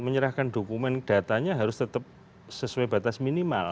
menyerahkan dokumen datanya harus tetap sesuai batas minimal